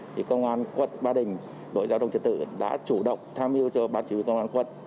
thì công an quận ba đình đội giao thông trật tự đã chủ động tham hiu cho bà chỉ huy công an quận